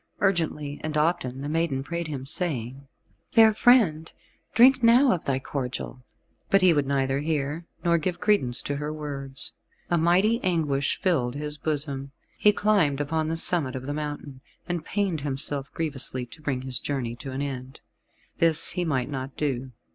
Urgently and often the maiden prayed him, saying, "Fair friend, drink now of thy cordial." But he would neither hear, nor give credence to her words. A mighty anguish filled his bosom. He climbed upon the summit of the mountain, and pained himself grievously to bring his journey to an end. This he might not do.